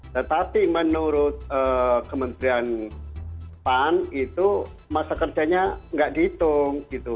tetapi menurut kementerian pan itu masa kerjanya nggak dihitung gitu